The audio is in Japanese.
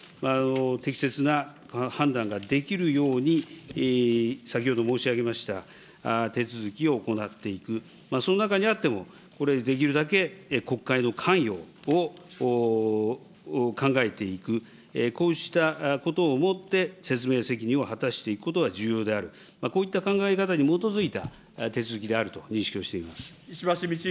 適切な判断ができるように、先ほど申し上げました手続きを行っていく、その中にあっても、できるだけ国会の関与を考えていく、こうしたことをもって、説明責任を果たしていくことが重要である、こういった考え方に基づいた手続きであると認識をしています。